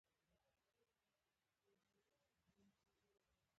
د سکرو دوړې د هوا کیفیت خرابوي.